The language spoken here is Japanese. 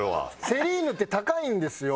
セリーヌって高いんですよ。